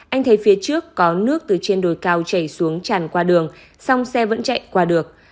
anh thấy phía trước có nước từ trên đồi cao chảy xuống tràn qua đường song xe vẫn chạy qua được